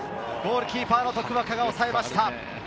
ゴールキーパーの徳若が抑えました。